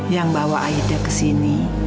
yang bawa aida kesini